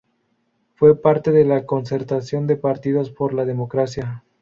Fue parte de la Concertación de Partidos por la Democracia.